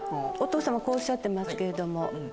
こうおっしゃってますけれども。